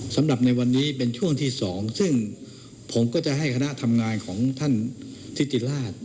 สำหรับในวันนี้เป็นช่วงที่๒ซึ่งผมก็จะให้คณะทำงานของท่านทิติราช